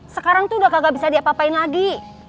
sekarang udah gak bisa diapa apain lagi